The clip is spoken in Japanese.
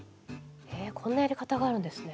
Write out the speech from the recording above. へえこんなやり方があるんですね。